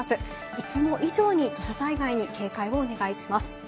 いつも以上に土砂災害に警戒をお願いします。